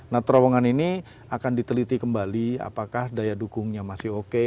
nah terowongan ini akan diteliti kembali apakah daya dukungnya masih oke